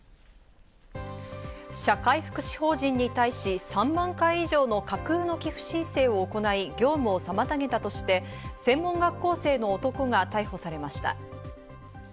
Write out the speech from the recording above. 社会福祉法人に対し３万回以上の架空の寄付申請を行い、業務を妨げたとして、専門学校生の男が逮捕されました。